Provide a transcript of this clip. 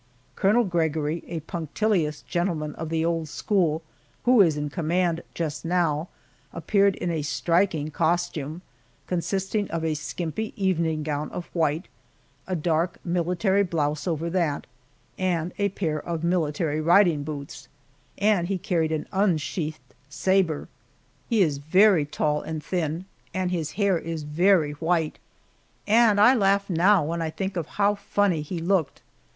Colonel Gregory, a punctilious gentleman of the old school who is in command just now appeared in a striking costume, consisting of a skimpy evening gown of white, a dark military blouse over that, and a pair of military riding boots, and he carried an unsheathed saber. He is very tall and thin and his hair is very white, and I laugh now when I think of how funny he looked.